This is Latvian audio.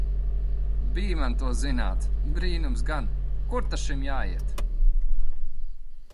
Bij man to zināt! Brīnums gan! Kur ta šim jāiet!